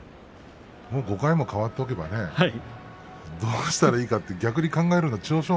５回も変わっていればどうしたらいいか逆に考えるのは千代翔